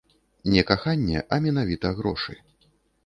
Не каханне, а менавіта грошы.